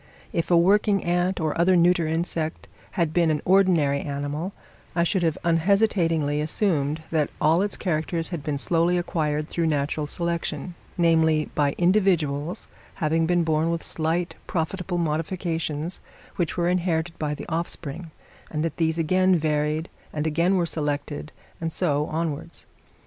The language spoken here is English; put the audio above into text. If a working ant or other neuter insect had been an ordinary animal, I should have unhesitatingly assumed that all its characters had been slowly acquired through natural selection; namely, by individuals having been born with slight profitable modifications, which were inherited by the offspring, and that these again varied and again were selected, and so onwards.